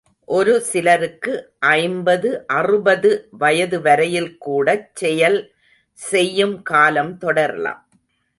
ஒரு சிலருக்கு ஐம்பது அறுபது வயது வரையில் கூடச் செயல் செய்யும் காலம் தொடரலாம்.